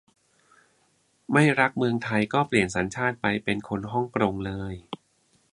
ไม่รักเมืองไทย ก็เปลี่ยนสัญชาติไปเป็นคนห้องกรงเลย !